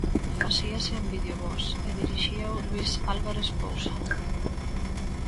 Facíase en Vídeo Voz e dirixíao Luís Álvarez Pousa.